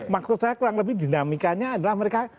maksud saya kurang lebih dinamikanya adalah mereka